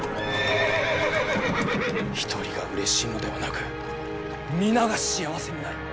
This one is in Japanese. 一人がうれしいのではなく皆が幸せになる。